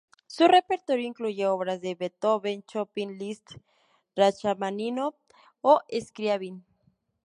Su repertorio incluye obras de Beethoven, Chopin, Liszt, Rachmaninov o Scriabin.